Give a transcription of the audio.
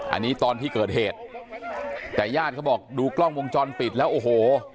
อันนี้ตอนที่เกิดเหตุแต่ญาติเขาบอกดูกล้องวงจรปิดแล้วโอ้โห